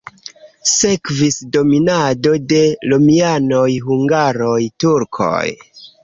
Sekvis dominado de romianoj, hungaroj, turkoj.